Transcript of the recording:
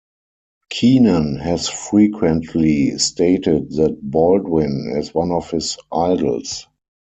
Kenan has frequently stated that Baldwin is one of his idols.